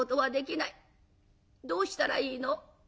どうしたらいいの？」。